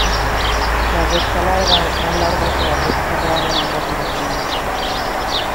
La recta larga es más "larga" que la recta real en ambas direcciones.